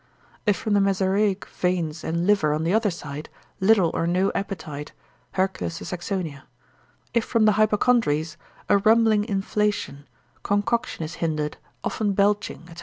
If from the mesaraic veins and liver on the other side, little or no appetite, Herc. de Saxonia. If from the hypochondries, a rumbling inflation, concoction is hindered, often belching, &c.